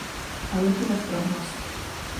А які ваш прагноз?